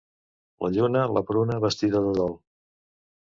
La lluna, la pruna, vestida de dol.